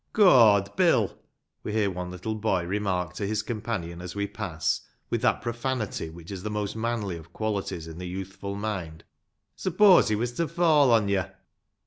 " Gawd, Bill !" we hear one little boy remark to his companion as we pass, with that profanity which is the most manly of qualities in the youthful mind, " suppose 'e was to fall on yer